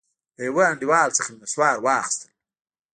له يوه انډيوال څخه مې نسوار واخيست.